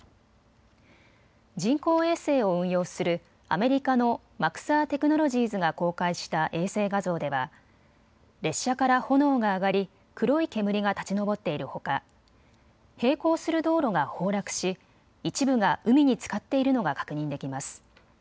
人工衛星を運用するアメリカのマクサー・テクノロジーズが公開した衛星画像では列車から炎が上がり黒い煙が立ち上っているほか、並行する道路が崩落し一部が海につかっているのが確認できます。